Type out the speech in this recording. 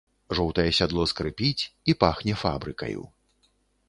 Жоўтае сядло скрыпіць і пахне фабрыкаю.